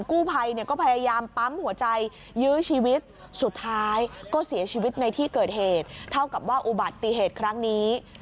กู้ภัยเนี่ยก็พยายามปั๊มหัวใจยื้อชีวิตสุดท้ายก็เสียชีวิตในที่เกิดเหตุเท่ากับว่าอุบัติเหตุครั้งนี้